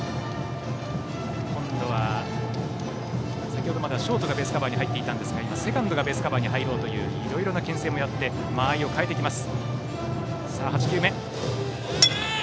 先程まではショートがベースカバーに入っていましたがセカンドがベースカバーに入ろうといういろいろけん制をやって間合いを変えてきます。